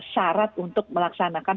syarat untuk melaksanakan